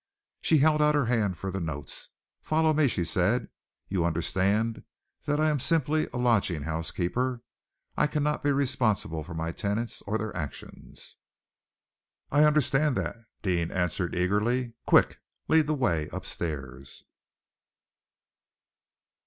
She held out her hand for the notes. "Follow me," she said. "You understand that I am simply a lodging house keeper. I cannot be responsible for my tenants or their actions." "I understand that," Deane answered eagerly. "Quick! Lead the way upstairs."